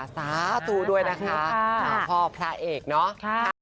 สาธุด้วยนะคะพ่อพระเอกเนาะ